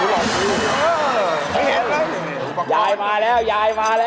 เออสมบุตรหล่มพวง